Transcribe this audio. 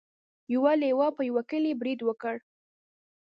یو لیوه په یوه کلي برید وکړ.